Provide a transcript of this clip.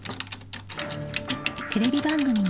［テレビ番組の］